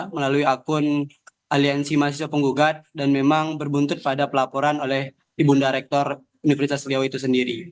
melalui akun aliansi mahasiswa penggugat dan memang berbuntut pada pelaporan oleh ibu nda rektor universitas riau itu sendiri